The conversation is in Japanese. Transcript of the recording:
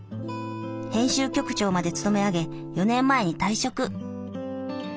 編集局長まで務め上げ４年前に退職。